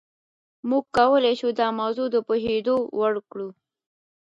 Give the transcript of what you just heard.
موږ کولای شو دا موضوع د پوهېدو وړ کړو.